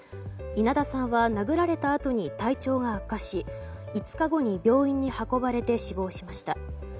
稲田さんは殴られたあとに体調が悪化し５日後に病院に運ばれて死亡しました。